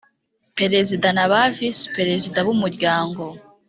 Perezida na ba Visi Perezida b Umuryango